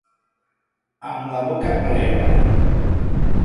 Amb la boca plena.